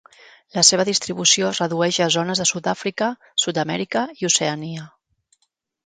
La seva distribució es redueix a zones de Sud-àfrica, Sud-amèrica i Oceania.